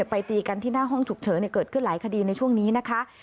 ตีกันที่หน้าห้องฉุกเฉินเกิดขึ้นหลายคดีในช่วงนี้นะคะ